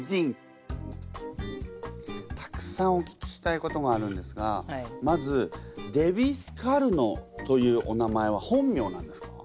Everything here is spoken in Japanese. たくさんお聞きしたいことがあるんですがまずデヴィ・スカルノというお名前は本名なんですか？